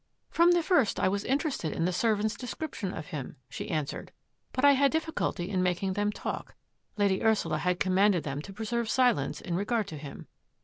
" From the first I was interested in the serv ants' description of him," she answered, " but I had difficulty in making them talk; Lady Ursula had commanded them to preserve silence in regard to him.